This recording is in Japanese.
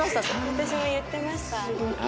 私も言ってました。